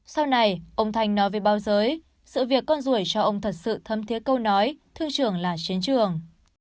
sau này ông thành nói về bao giới sự việc con ruồi cho ông thật sự thâm thiết câu nói thương trường là chiến trường